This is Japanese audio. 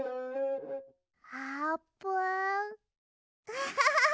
アハハハ